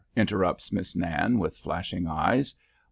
interrupts Miss Nan, with flashing eyes.